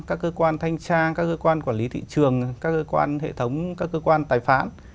các cơ quan thanh tra các cơ quan quản lý thị trường các cơ quan hệ thống các cơ quan tài phán